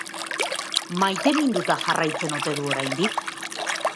Maiteminduta jarraitzen ote du oraindik?